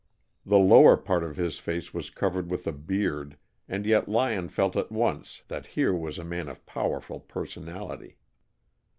The lower part of his face was covered with a beard and yet Lyon felt at once that here was a man of powerful personality.